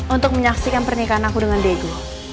untuk menyaksikan pernikahan aku dengan diego